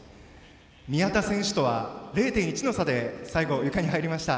宮田選手とは０．１の差で最後、ゆかに入りました。